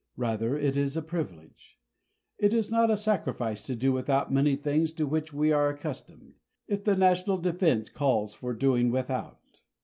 Rather it is a privilege. It is not a sacrifice to do without many things to which we are accustomed if the national defense calls for doing without.